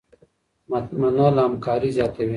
منل همکاري زياتوي.